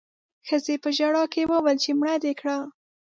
ښځې په ژړا کې وويل چې مړه دې کړه